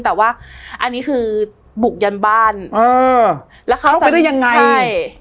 แต่ว่าอันนี้คือบุกยันบ้านเข้าไปได้ยังไง